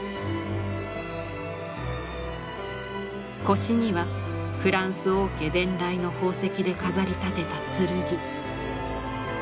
腰にはフランス王家伝来の宝石で飾り立てた剣。